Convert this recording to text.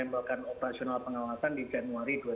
membuat operasional pengawasan di januari